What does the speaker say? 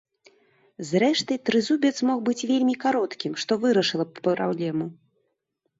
Зрэшты, трызубец мог быць вельмі кароткім, што вырашыла б праблему.